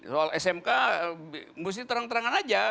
soal smk mesti terang terangan aja